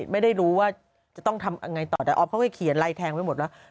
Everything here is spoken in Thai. ไม่รู้ว่าจะต้องทำยังไงต่อแต่ออฟเขาก็เขียนไล่แทงไปหมดว่า